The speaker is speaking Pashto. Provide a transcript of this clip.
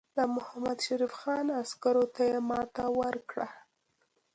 د محمدشریف خان عسکرو ته یې ماته ورکړه.